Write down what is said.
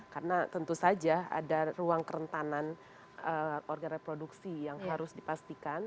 karena tentu saja ada ruang kerentanan eee organ reproduksi yang harus dipastikan